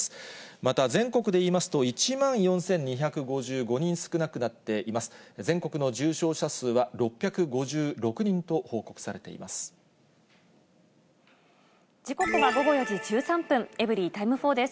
また全国でいいますと、１万４２５５人少なくなっています。